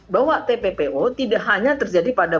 bahwa tppo tidak hanya terjadi pada